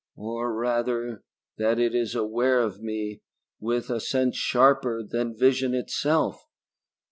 Or rather that it is aware of me with a sense sharper than vision itself.